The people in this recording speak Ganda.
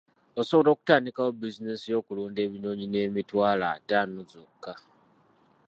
Osobola okutandikawo bizinensi y'okulunda ebinyonyi n'emitwalo ataano zokka.